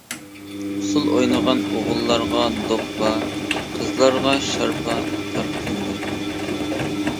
ئۇسسۇل ئوينىغان ئوغۇللارغا دوپپا، قىزلارغا شارپا تارقىتىلدى.